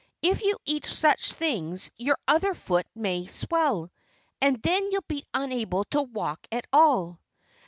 If you eat such things your other foot may swell. And then you'd be unable to walk at all."